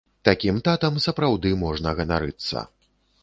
Такім татам сапраўды можна ганарыцца!